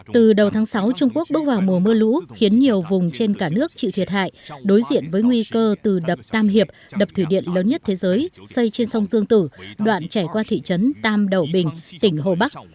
từ đầu tháng sáu trung quốc bước vào mùa mưa lũ khiến nhiều vùng trên cả nước chịu thiệt hại đối diện với nguy cơ từ đập tam hiệp đập thủy điện lớn nhất thế giới xây trên sông dương tử đoạn chảy qua thị trấn tam đậu bình tỉnh hồ bắc